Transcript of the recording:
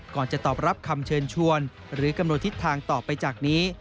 จะตอบรับคำเชิญชวนหรือกำหนดทิศทางต่อไปจากนี้